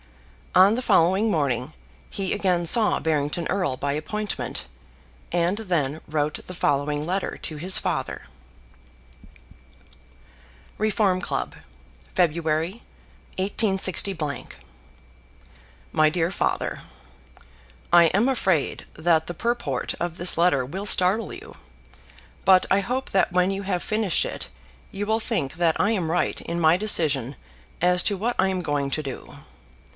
On the following morning he again saw Barrington Erle by appointment, and then wrote the following letter to his father: Reform Club, Feb., 186 . MY DEAR FATHER, I am afraid that the purport of this letter will startle you, but I hope that when you have finished it you will think that I am right in my decision as to what I am going to do.